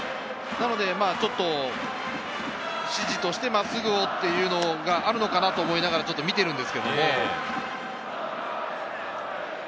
なので、指示として真っすぐをというのがあるのかなと思いながら見ているんですけど。